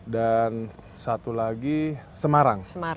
dan satu lagi semarang